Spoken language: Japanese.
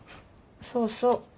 そうそう。